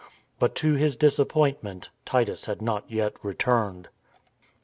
But to his disappointment Titus had not yet returned.